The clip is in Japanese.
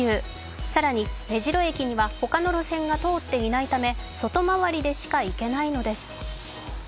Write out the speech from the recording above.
更に目白駅には他の路線が通っていないため、外回りでしか行けないのです。